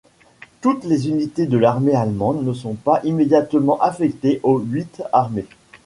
Toutes les unités de l'armée allemande ne sont pas immédiatement affectées aux huit armées.